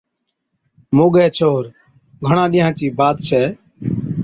موڳَي ڇوهر: گھڻا ڏِينهان چِي بات ڇَي،